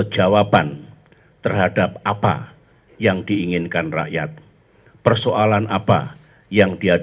saya terima kasih